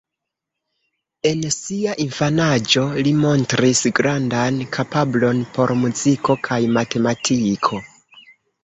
En sia infanaĝo, li montris grandan kapablon por muziko kaj matematiko.